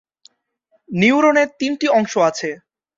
নিউরনের তিনটি অংশ আছে।